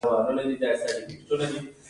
دغه کسر باید له طبیعي سرچینو جبران کړي